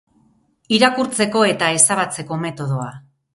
irakurtzeko eta ezabatzeko metodoa